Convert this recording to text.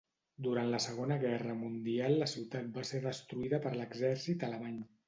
Durant la Segona Guerra Mundial la ciutat va ser destruïda per l'exèrcit alemany.